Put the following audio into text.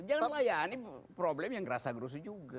jangan layani problem yang kusah kusuh juga